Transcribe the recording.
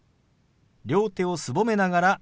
両手をすぼめながら下げます。